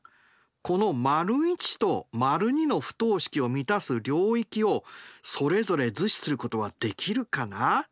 この①と②の不等式を満たす領域をそれぞれ図示することはできるかな？